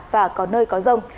và có nơi có rông